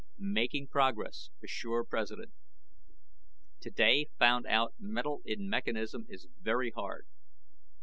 MAKING PROGRESS, ASSURE PRESIDENT. TODAY FOUND OUT METAL IN MECHANISM IS VERY HARD.